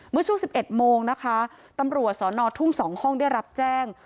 เมื่อช่วง๑๑โมงนะคะตำรวจสอนอทุ่ง๒ห้องได้รับแจ้ง